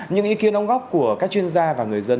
những ý kiến ống góc của các chuyên gia và người dân